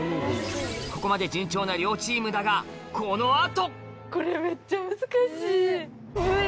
ここまで順調な両チームだがこの後！